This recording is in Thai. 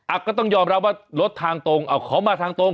ก็ต้องยอมรับว่ารถทางตรงเอาเขามาทางตรง